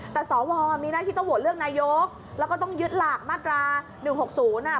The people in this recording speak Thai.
แต่สวมีหน้าที่ต้องโหวตเลือกนายกแล้วก็ต้องยึดหลักมาตรา๑๖๐อ่ะ